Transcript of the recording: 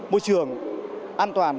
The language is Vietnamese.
môi trường an toàn